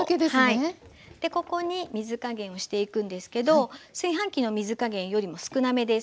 ここに水加減をしていくんですけど炊飯器の水加減よりも少なめです。